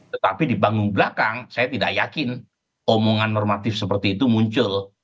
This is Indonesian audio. tetapi di panggung belakang saya tidak yakin omongan normatif seperti itu muncul